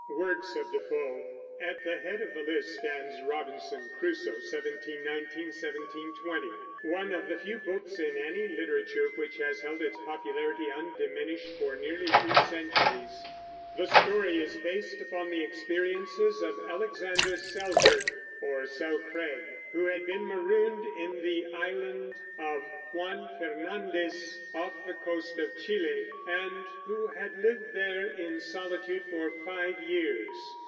WORKS OF DEFOE. At the head of the list stands Robinson Crusoe (1719 1720), one of the few books in any literature which has held its popularity undiminished for nearly two centuries. The story is based upon the experiences of Alexander Selkirk, or Selcraig, who had been marooned in the island of Juan Fernandez, off the coast of Chile, and who had lived there in solitude for five years.